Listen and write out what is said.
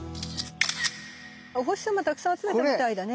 お星様たくさん集めたみたいだね。